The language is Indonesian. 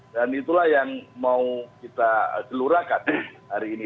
dan itulah yang mau kita gelurakan hari ini